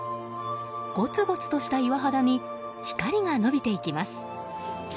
ごつごつとした岩肌に光が伸びていきます。